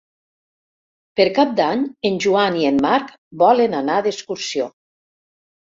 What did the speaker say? Per Cap d'Any en Joan i en Marc volen anar d'excursió.